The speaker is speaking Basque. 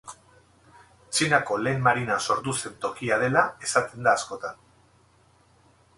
Txinako lehen marina sortu zen tokia dela esaten da askotan.